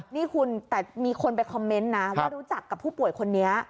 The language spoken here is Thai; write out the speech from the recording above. นี่คุณแต่มีคนไปคอมเมนต์นะว่ารู้จักกับผู้ป่วยคนนี้